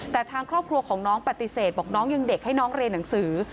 แต่ทางครอบครัวของน้องปฏิเสธบอกน้องยังเด็กให้น้องเรียนหนังสือ